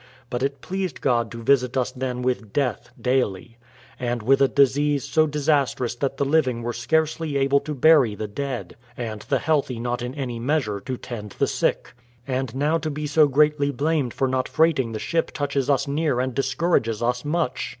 But it pleased God to visit us then with death daily, and with a disease so disastrous that the living were scarcely able to bury the dead, and the healthy not in any measure to tend the sick. And now to be so greatly blamed for not freighting the ship touches us near and discourages us much.